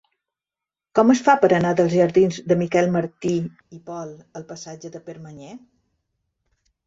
Com es fa per anar dels jardins de Miquel Martí i Pol al passatge de Permanyer?